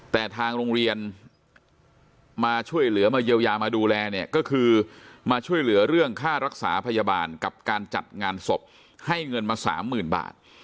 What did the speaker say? แต่ทางโรงเรียนมาช่วยเหลือมาเยียวยามาดูแลเนี่ยก็คือมาช่วยเหลือเรื่องค่ารักษาพยาบาลกับการจัดงานศพให้เงินมาสามหมื่นบาท